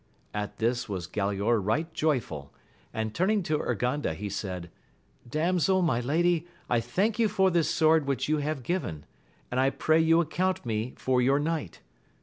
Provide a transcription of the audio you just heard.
At this was Galaor right joyful, and turning to Urganda he said, Damsel, my lady, I thank you for this sword which you have given, and I pray you account me for your knight.